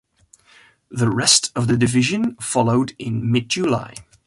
The rest of the division followed in mid July.